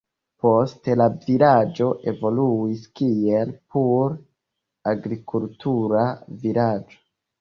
Poste la vilaĝo evoluis kiel pure agrikultura vilaĝo.